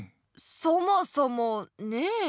そもそもねえ。